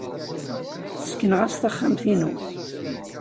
Ssekneɣ-as taxxamt-inu.